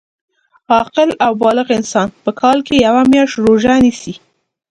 عاقل او بالغ انسان په کال کي یوه میاشت روژه نیسي